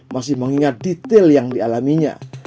masih mengingat detail yang dialaminya